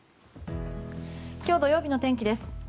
今日土曜日の天気です。